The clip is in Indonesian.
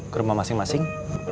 ke rumah masing masing